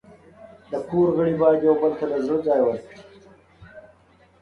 د کور غړي باید یو بل ته له زړه ځای ورکړي.